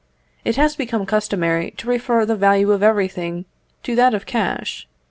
It has become customary to refer the value of everything to that of cash.